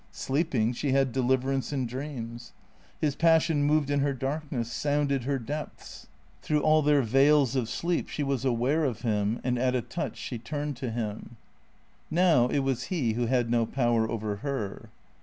Sleep ing, she had deliverance in dreams. His passion moved in her darkness, sounded her depths ; through all their veils of sleep she was aware of him, and at a touch she turned to him. Now it was he who had no power over her.